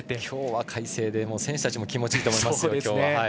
今日は快晴で選手たちも気持ちいいと思います。